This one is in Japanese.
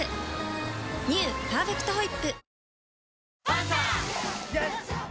「パーフェクトホイップ」